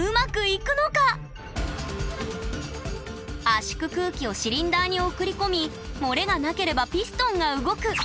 圧縮空気をシリンダーに送り込み漏れがなければピストンが動く。